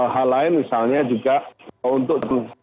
hal lain misalnya juga untuk